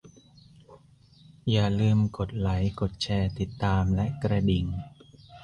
อย่าลืม กดไลก์ กดแชร์ ติดตาม และกระดิ่ง